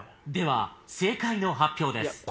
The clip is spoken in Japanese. では正解の発表です。